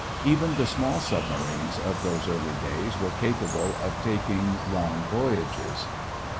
Even the small submarines of those early days were capable of taking long voyages.